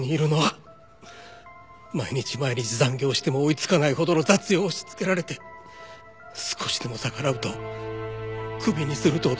毎日毎日残業しても追いつかないほどの雑用を押しつけられて少しでも逆らうとクビにすると脅されて。